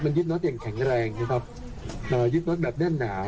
มันยึดน็อตอย่างแข็งแรงนะครับยึดน็อตแบบแน่นหนา